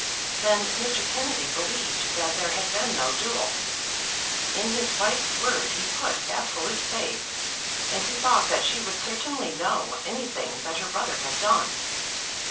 Then Mr. Kennedy believed that there had been no duel. In his wife's word he put absolute faith, and he thought that she would certainly know anything that her brother had done.